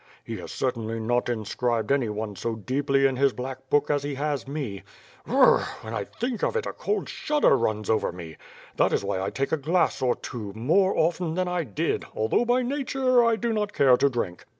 He has cer tainly not inscribed anyone so deeply in his black book as he has me. B r r r. .. When I thing of it, a cold shudder runs over me. That is why I take a glass or two, more cften than I did, although, by nature, I do not care to drink."